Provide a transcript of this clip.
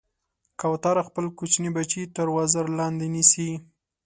کوتره خپل کوچني بچي تر وزر لاندې نیسي.